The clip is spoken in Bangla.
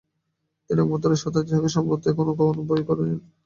তিনিই একমাত্র সত্তা, যাহাকে সম্ভবত কখনই ভয় করা যায় না।